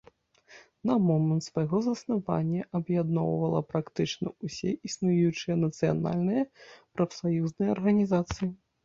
На момант свайго заснавання аб'ядноўвала практычна ўсе існуючыя нацыянальныя прафсаюзныя арганізацыі.